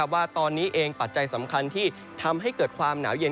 ว่าตอนนี้เองปัจจัยสำคัญที่ทำให้เกิดความหนาวเย็น